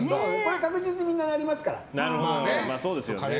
確実にみんななりますから。